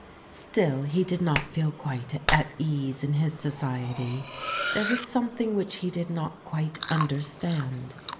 Still he did not feel quite at ease in his society. There was something which he did not quite understand.